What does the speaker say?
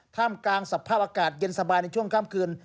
ท่ามกลางสภาพอากาศเย็นสบายในช่วงค่ำคืน